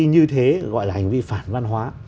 như thế gọi là hành vi phản văn hóa